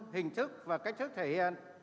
hình thức và cách thức thể hiện